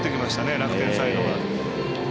楽天サイドが。